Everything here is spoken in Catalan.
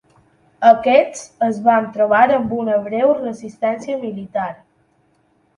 Aquests es van trobar amb una breu resistència militar.